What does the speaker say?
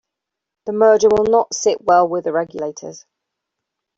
The merger will not sit well with the regulators.